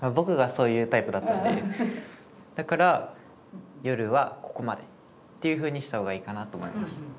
だから夜はここまでっていうふうにした方がいいかなと思います。